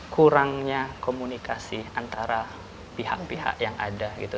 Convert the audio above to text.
kurangnya komunikasi antara pihak pihak yang ada gitu